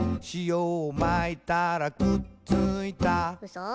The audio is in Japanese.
「しおをまいたらくっついた」